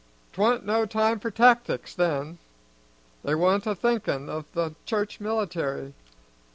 'Twa'n't no time for tactics then, they wa'n't a'thinkin' of the church military.